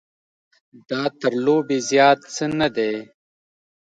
دا تر لوبې زیات څه نه دی.